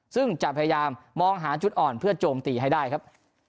ซึ่งจะพยายามมองหาจุดอ่อนเพื่อโจมตีให้ได้ครับ